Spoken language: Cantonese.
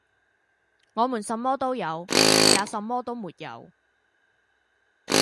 我們什麼都有，也什麼都沒有，